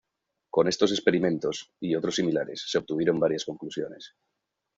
Con estos experimentos, y otros similares, se obtuvieron varias conclusiones.